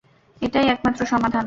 এটাই একমাত্র সমাধান।